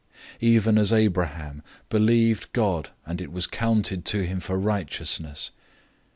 003:006 Even as Abraham "believed God, and it was counted to him for righteousness."